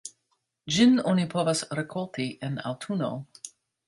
Ĝin oni povas rikolti en aŭtuno.